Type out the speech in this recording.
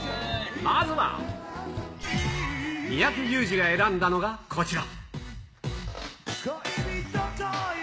まずは、三宅裕司が選んだのがこちら。